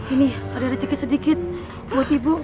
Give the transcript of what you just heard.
ini ada rezeki sedikit buat ibu